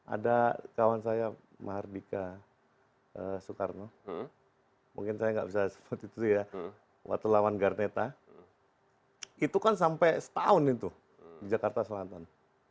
ada kawan saya mahardika soekarno mungkin saya nggak bisa seperti itu ya waktu lawan garneta itu kan sampai setahun itu di jakarta selatan